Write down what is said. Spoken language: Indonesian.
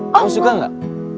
kamu suka gak